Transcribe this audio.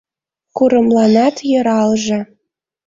Курымланат йӧралже.